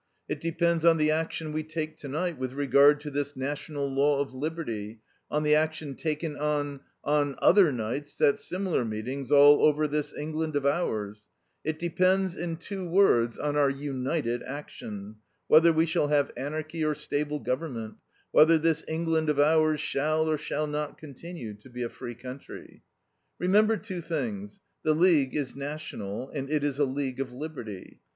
It depends on the action we take to night with regard to this National League of Liberty, on the action taken on on other nights at similar meetings, all over this England of ours; it depends, in two words, on our united action, whether we shall have anarchy or stable government, whether this England of ours shall or shall not continue to be a free country. "Remember two things: the League is National, and it is a League of Liberty.